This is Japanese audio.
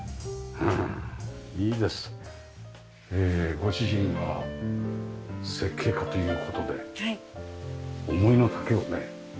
ご主人は設計家という事で思いの丈をね